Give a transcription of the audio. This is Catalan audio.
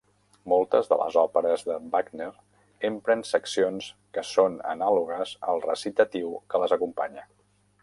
Moltes de les òperes de Wagner empren seccions que són anàlogues al recitatiu que les acompanya.